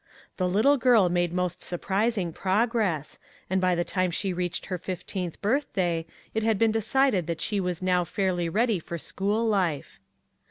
The little girl made most surprising progress, and by the time she reached her fifteenth birthday it had been decided that she was now fairly ready for school life.